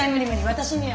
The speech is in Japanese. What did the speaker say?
私には。